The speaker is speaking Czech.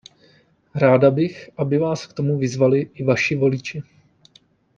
Ráda bych, aby vás k tomu vyzvali i vaši voliči.